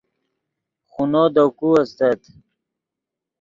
خونو دے کو استت